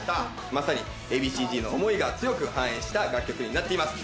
まさにＡ．Ｂ．Ｃ−Ｚの思いが強く反映した楽曲になっています。